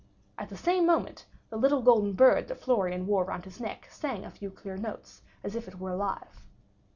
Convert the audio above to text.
At the same moment, the little golden bird that Florian wore round his neck sang a few clear notes as if it were alive.